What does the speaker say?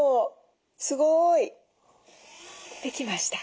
すごい！出てきました。